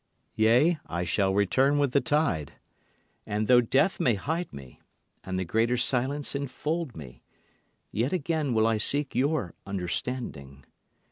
Yea, I shall return with the tide, And though death may hide me, and the greater silence enfold me, yet again will I seek your understanding.